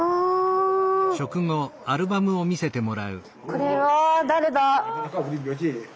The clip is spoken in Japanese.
これは誰だ？